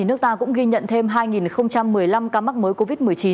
nước ta cũng ghi nhận thêm hai một mươi năm ca mắc mới covid một mươi chín